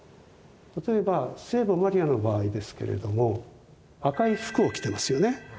例えば聖母マリアの場合ですけれども赤い服を着てますよね。